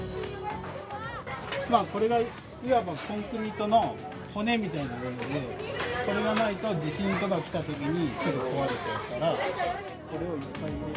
これがいわば、コンクリートの骨みたいなもので、これがないと、地震とかきたときにすぐ壊れちゃうから。